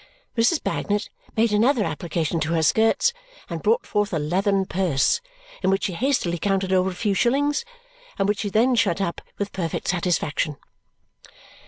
Mrs. Bagnet made another application to her skirts and brought forth a leathern purse in which she hastily counted over a few shillings and which she then shut up with perfect satisfaction.